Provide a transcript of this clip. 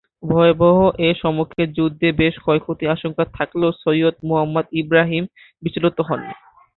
ভয়াবহ এ সম্মুখ যুদ্ধে বেশ ক্ষয়ক্ষতির আশঙ্কা থাকলেও সৈয়দ মুহাম্মদ ইবরাহিম বিচলিত হননি।